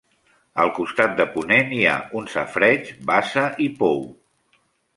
Al costat de ponent hi ha un safareig, bassa i pou.